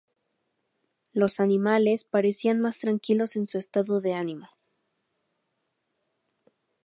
Los animales parecían más tranquilos en su estado de ánimo.